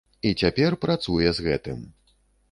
І цяпер працуе з гэтым.